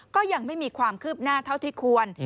ก็ยังไม่มีความคืบหน้าเท่าที่ควร